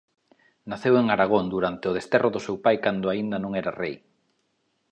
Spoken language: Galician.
Naceu en Aragón durante o desterro do seu pai cando aínda non era rei.